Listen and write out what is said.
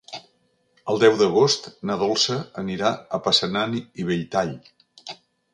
El deu d'agost na Dolça anirà a Passanant i Belltall.